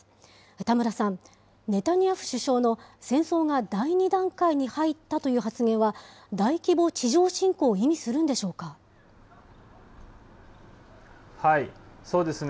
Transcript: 田村さん、ネタニヤフ首相の、戦争が第２段階に入ったという発言は、大規模地上侵攻を意味するそうですね。